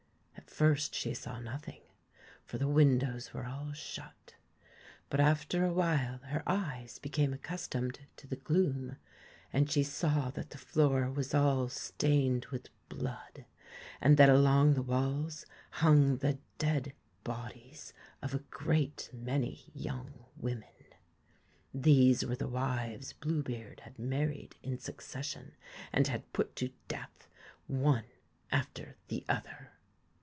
At first she saw nothing, for the windows were all shut. But after a while her eyes became accustomed to the gloom, and she saw that the floor was all stained with blood, and that along the walls hung the dead bodies of a great many young women. These were the wives Blue beard had married in succession, and had put to death, one after the other.